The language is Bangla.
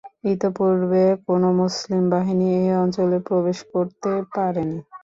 ইতঃপূর্বে কোনো মুসলিম বাহিনী এ অঞ্চলে প্রবেশ করতে পারে নি।